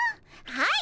はい。